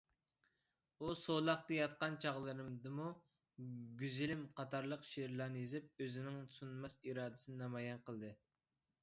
ئۇ سولاقتا ياتقان چاغلىرىدىمۇ «گۈزىلىم» قاتارلىق شېئىرلارنى يېزىپ، ئۆزىنىڭ سۇنماس ئىرادىسىنى نامايان قىلدى.